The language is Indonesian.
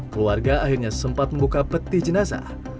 keluarga akhirnya sempat membuka peti jenazah